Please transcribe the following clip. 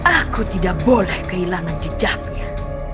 aku tidak boleh kehilangan jejaknya